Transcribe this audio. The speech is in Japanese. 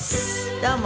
どうも。